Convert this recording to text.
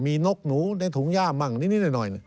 มีนกหนูในถุงย่ามั่งนิดหน่อย